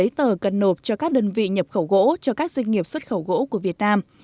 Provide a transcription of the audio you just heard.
đây là một loạt văn bản giấy tờ cần nộp cho các đơn vị nhập khẩu gỗ cho các doanh nghiệp xuất khẩu gỗ của việt nam